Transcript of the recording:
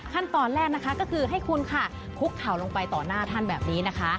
ขั้นตอนแรกนะคะก็คือให้คุณค่ะคุกเข่าลงไปต่อหน้าท่านแบบนี้นะคะ